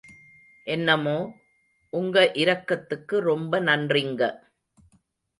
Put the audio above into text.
என்னமோ, உங்க இரக்கத்துக்கு ரொம்ப நன்றிங்க!